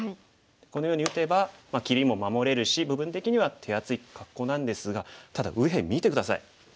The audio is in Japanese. このように打てば切りも守れるし部分的には手厚い格好なんですがただ右辺見て下さい。